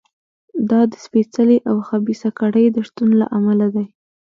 دا د سپېڅلې او خبیثه کړۍ د شتون له امله دی.